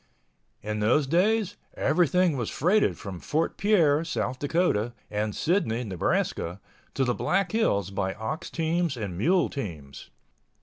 In those days everything was freighted from Fort Pierre, South Dakota, and Sidney, Nebraska, to the Black Hills by ox teams and mule teams.